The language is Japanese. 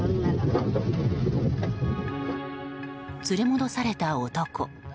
連れ戻された男。